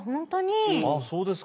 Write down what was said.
ああそうですか。